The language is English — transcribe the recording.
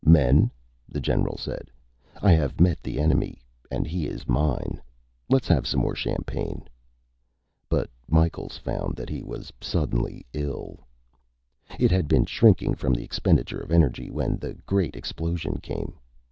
"Men," the general said, "I have met the enemy and he is mine. Let's have some more champagne." But Micheals found that he was suddenly ill. It had been shrinking from the expenditure of energy, when the great explosion came.